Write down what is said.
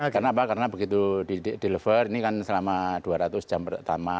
karena apa karena begitu di deliver ini kan selama dua ratus jam pertama